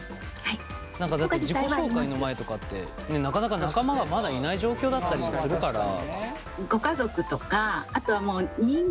何かだって自己紹介の前とかってなかなか仲間がまだいない状況だったりもするから。